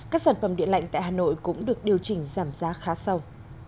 các sản phẩm điện lạnh tại hà nội cũng được điều chỉnh giảm giá khá sâu